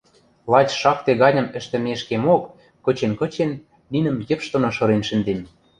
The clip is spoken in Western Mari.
– Лач шакте ганьым ӹштӹмешкемок, кычен-кычен, нинӹм йӹпш доно шырен шӹндем...